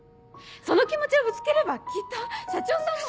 その気持ちをぶつければきっと社長さんも。